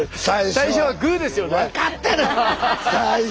最初はグーですよね？